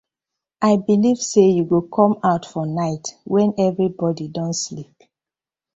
I belive say yu go com out for night wen everibodi don sleep.